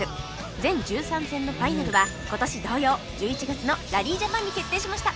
全１３戦のファイナルは今年同様１１月のラリージャパンに決定しました